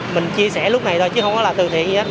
mình chia sẻ lúc này thôi chứ không có là từ thiện gì hết